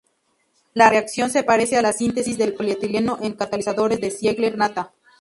La reacción se parece a la síntesis del polietileno en catalizadores de Ziegler-Nata.